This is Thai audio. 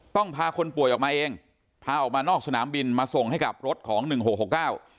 ต้องพาคนป่วยออกมาเองพาออกมานอกสนามบินมาส่งให้กับรถของหนึ่งหกหกเก้า